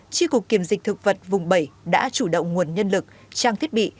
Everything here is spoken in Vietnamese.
tri cục kiểm dịch thực vật vùng bảy đã chủ động nguồn nhân lực trang thiết bị